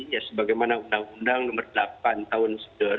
ya sebagaimana undang undang nomor delapan tahun dua ribu